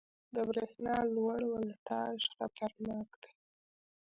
• د برېښنا لوړ ولټاژ خطرناک دی.